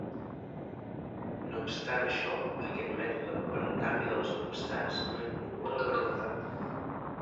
No obstant això, aquest mètode per al canvi de les constants no incorpora la gravetat.